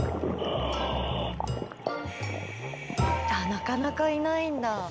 なかなかいないんだ。